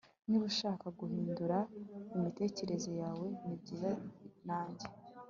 Niba ushaka guhindura imitekerereze yawe nibyiza nanjye